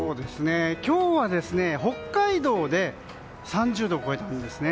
今日は、北海道で３０度を超えたんですね。